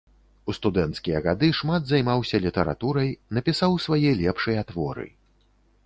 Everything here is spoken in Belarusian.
У студэнцкія гады шмат займаўся літаратурай, напісаў свае лепшыя творы.